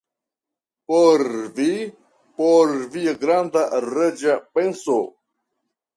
Por vi; por via granda reĝa penso!